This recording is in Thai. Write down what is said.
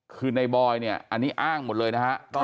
คือในบอยเนี่ยอันนี้อ้างหมดเลยนะฮะ